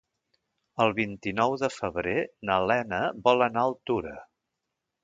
El vint-i-nou de febrer na Lena vol anar a Altura.